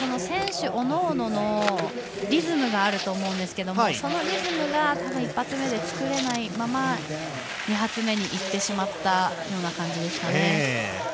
選手おのおののリズムがあると思うんですけどそのリズムが一発目で作れないまま２発目に行ってしまったような感じですかね。